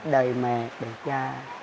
đời mẹ đời cha